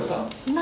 何？